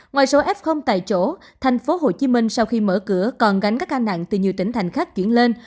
ngoài số f tại chỗ tp hcm sau khi mở cửa còn gánh các ca nặng từ nhiều tỉnh thành khác chuyển lên